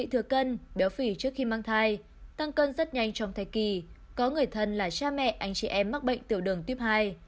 trước khi mang thai tăng cân rất nhanh trong thai kỳ có người thân là cha mẹ anh chị em mắc bệnh tiểu đường tuyếp hai